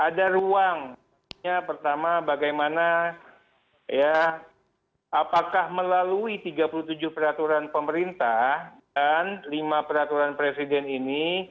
ada ruangnya pertama bagaimana ya apakah melalui tiga puluh tujuh peraturan pemerintah dan lima peraturan presiden ini